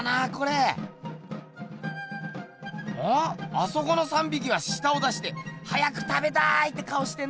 あそこの３びきはしたを出して「早く食べたい」って顔してんな。